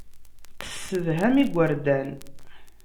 Tessedham igerdan.